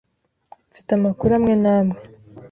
Mfite amakuru amwe n'amwe.